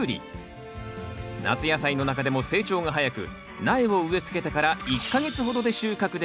夏野菜の中でも成長が早く苗を植え付けてから１か月ほどで収穫できる